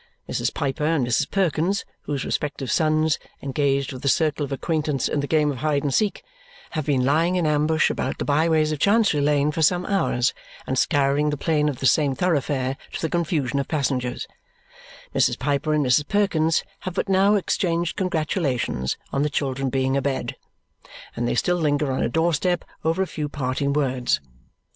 Mrs. Piper and Mrs. Perkins, whose respective sons, engaged with a circle of acquaintance in the game of hide and seek, have been lying in ambush about the by ways of Chancery Lane for some hours and scouring the plain of the same thoroughfare to the confusion of passengers Mrs. Piper and Mrs. Perkins have but now exchanged congratulations on the children being abed, and they still linger on a door step over a few parting words.